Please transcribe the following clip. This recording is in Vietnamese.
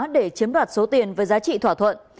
để chiếm đoạt số tiền với giá trị thỏa thuận